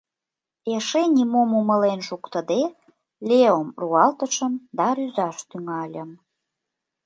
Эше нимом умылен шуктыде, Леом руалтышым да рӱзаш тӱҥальым.